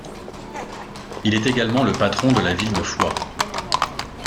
Il est également le patron de la ville de Foix.